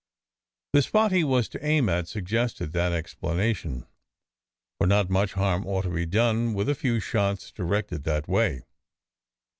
The spot he was to aim at suggested that explanation, for not much harm ought to be done with a few shots directed that way.